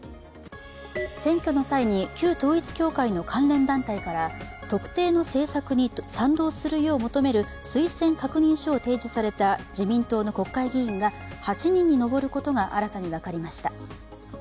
選挙の際に旧統一教会の関連団体から特定の政策に賛同するよう求める推薦確認書を提示された自民党の国会議員が８人に上ることが新たに分かりました。